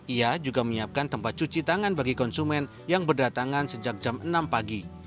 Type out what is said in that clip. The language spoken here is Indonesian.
ia juga menyiapkan tempat cuci tangan bagi konsumen yang berdatangan sejak jam enam pagi